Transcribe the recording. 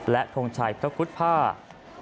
และทงชัยพระพุทธภาพ